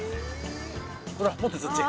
ほら持ってそっち。